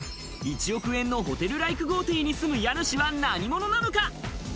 憧れのプール付き１億円のホテルライク豪邸に住む家主は何者なのか？